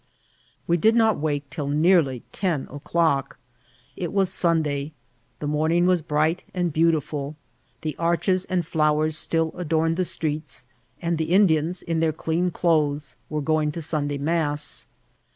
We did not wake till nearly ten o'clock. It was Sunday; the morning was bright and beautiful, the arches and flowers still adorned the streets, and the Indians, in their dean clothes, were going to Sunday mass.